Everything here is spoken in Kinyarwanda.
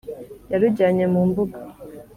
yarujyanye mu mbuga